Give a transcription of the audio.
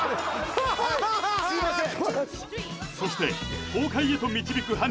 はいすいません